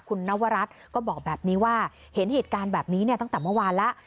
คุณนวรัฐก็บอกแบบนี้ว่าเห็นเหตุการณ์แบบนี้เนี่ยตั้งแต่เมื่อวานแล้ว